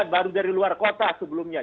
baru dari luar kota sebelumnya